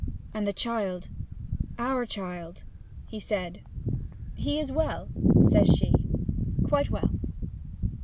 'And the child our child?' he said. 'He is well,' says she. 'Quite well.'